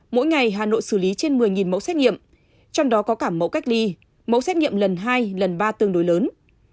mỗi ngày hà nội xử lý trên một mươi mẫu xét nghiệm trong đó có cả mẫu cách ly mẫu xét nghiệm lần hai lần ba tương đối lớn